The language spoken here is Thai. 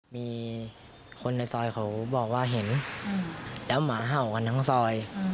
มีคนในซอยเขาบอกว่าเห็นแล้วหมาเห่ากันทั้งซอย